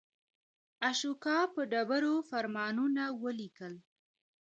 اشوکا په ډبرو فرمانونه ولیکل.